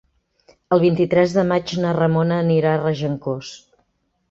El vint-i-tres de maig na Ramona anirà a Regencós.